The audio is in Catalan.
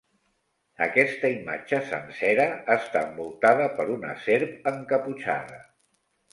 Aquesta imatge sencera està envoltada per una serp encaputxada.